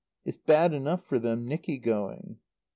It's bad enough for them, Nicky going."